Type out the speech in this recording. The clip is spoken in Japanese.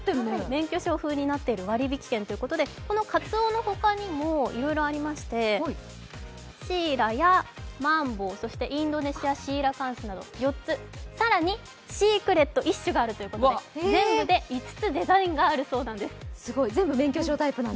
免許証風になっている割引券ということでこのカツオのほかにもいろいろありまして、シイラやマンボウ、インドネシアシーラカンスなど更に、シークレット１種があるということで、全部で５つデザインがあるそうです